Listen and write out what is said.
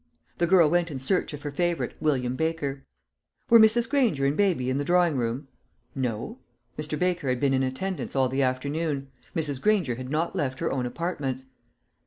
The girl went in search of her favourite, William Baker. Were Mrs. Granger and baby in the drawing room? No; Mr. Baker had been in attendance all the afternoon. Mrs. Granger had not left her own apartments.